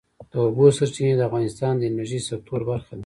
د اوبو سرچینې د افغانستان د انرژۍ سکتور برخه ده.